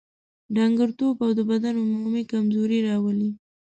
ډنګرتوب او د بدن عمومي کمزوري راولي.